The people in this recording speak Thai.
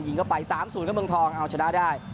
ยิงเข้าไปสามศูนย์กับเมืองทองเอาชนะได้